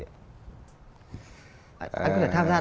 anh có thể tham gia